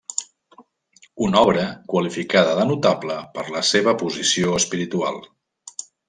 Una obra qualificada de notable per la seva posició espiritual.